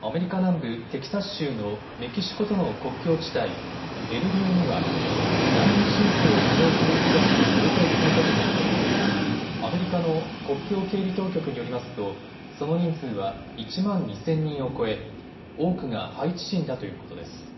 アメリカ南部テキサス州のメキシコとの国境地帯、デルリオには難民申請を希望する人たちが大勢詰めかけていてアメリカの国境警備当局によりますとその人数は１万２０００人を超え多くがハイチ人だということです。